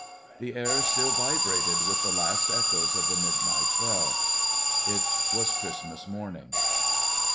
The air still vibrated with the last echoes of the midnight bell. It was Christmas morning.